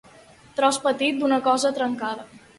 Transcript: Tros petit d'una cosa trencada.